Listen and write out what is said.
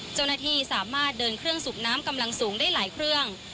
เจ้าหน้าที่สามารถเดินเครื่องสูบน้ำกำลังสูงได้หลายเครื่อง